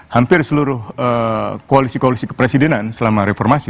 hampir seluruh koalisi koalisi kepresidenan selama reformasi